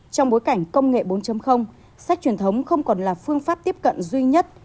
trong bối cảnh công nghệ bốn sách truyền thống không còn là phương pháp tiếp cận duy nhất